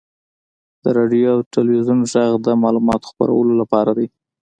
• د راډیو او تلویزیون ږغ د معلوماتو خپرولو لپاره دی.